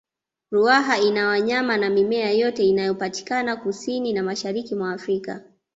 ruaha ina wanyama na mimea yote inayopatikana kusini na mashariki mwa afrika